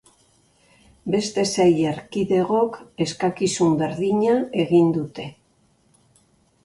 Beste sei erkidegok eskakizun berdina egin dute.